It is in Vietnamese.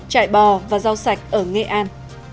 chạy bò và rau sạch ở nghệ an